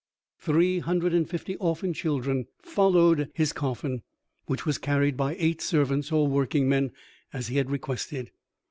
Three hundred and fifty orphan children followed his coffin, which was carried by eight servants or workingmen, as he had requested.